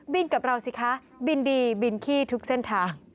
กับเราสิคะบินดีบินขี้ทุกเส้นทาง